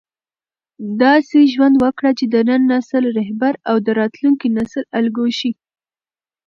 داسې ژوند وکړه چې د نن نسل رهبر او د راتلونکي نسل الګو شې.